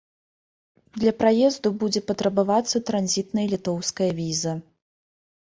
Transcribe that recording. Для праезду будзе патрабавацца транзітная літоўская віза.